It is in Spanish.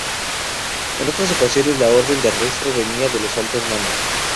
En otras ocasiones la orden de arresto venía de los altos mandos.